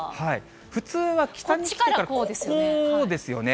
普通は北に来てからこうですよね。